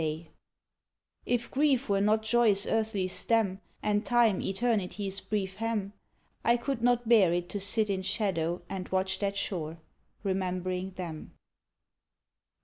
ASTORIA BY TWILIGHT 75 If Grief were not Joy's earthly stem, And Time Eternity's brief hem, I could not bear it to sit in shadow And watch that shore remembering them